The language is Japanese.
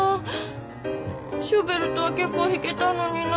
シューベルトは結構弾けたのにな。